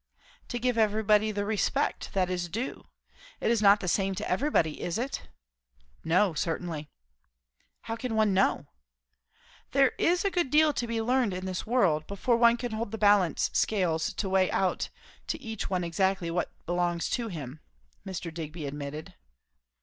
"To give everybody the respect that is due; it is not the same to everybody, is it?" "No, certainly." "How can one know?" "There is a good deal to be learned in this world, before one can hold the balance scales to weigh out to each one exactly what belongs to him," Mr. Digby admitted.